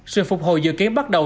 sự phục hồi dự kiến bắt đầu